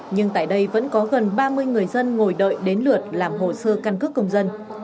nhưng tại đây vẫn có gần ba mươi người dân ngồi đợi đến lượt làm hồ sơ căn cước công dân